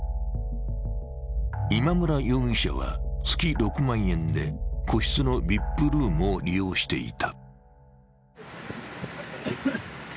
今村容疑者は、月６万円で個室のＶＩＰルームを利用していた。